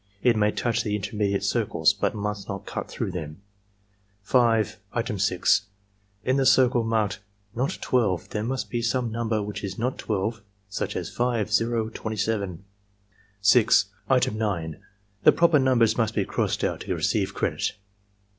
It may touch the intermediate circles, but must not cut through them. 5. Item 6, — In the circle marked "not 12" there must be some number which is not 12, such as 5, 0, 27. 6. Item 9. — ^The proper niunbers must be crossed out to receive credit.